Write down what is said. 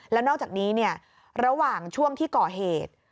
แล้วนอกจากนี้ระหว่างช่วงที่ก่อเหตุ